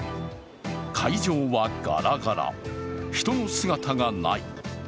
会場はガラガラ、人の姿がない。